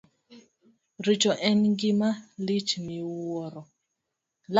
Richo en gima lich miwuoro.